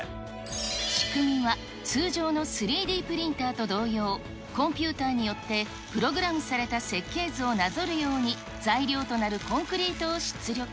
仕組みは通常の３Ｄプリンターと同様、コンピューターによってプログラムされた設計図をなぞるように、材料となるコンクリートを出力。